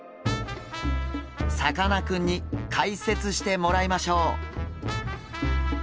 さかなクンに解説してもらいましょう。